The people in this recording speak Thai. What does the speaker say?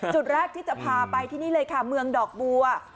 จุดแรกที่จะพาไปที่นี่เลยค่ะเมืองดอกบัว